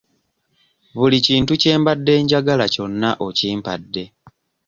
Buli kintu kye mbadde njagala kyonna okimpadde.